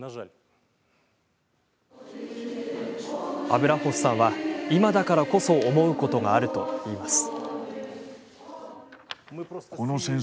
アブラホフさんは、今だからこそ思うことがあるといいます。